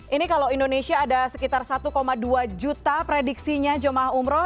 ini kalau indonesia ada sekitar satu dua juta prediksinya jemaah umroh